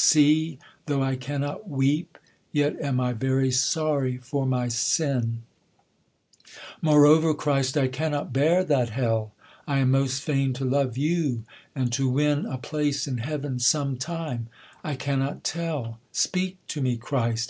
see, though I cannot weep, Yet am I very sorry for my sin; Moreover, Christ, I cannot bear that hell, I am most fain to love you, and to win A place in heaven some time: I cannot tell: Speak to me, Christ!